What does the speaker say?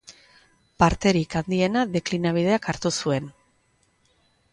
Parterik handiena deklinabideak hartu zuen.